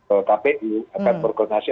eh kpu akan berkoordinasi